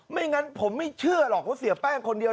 ไม่งั้นผมไม่เชื่อหรอกว่าเสียแป้งคนเดียว